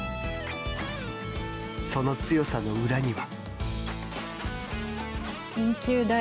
その強さの裏には。